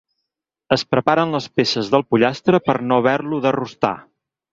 Es preparen les peces del pollastre per no haver-lo de rostar.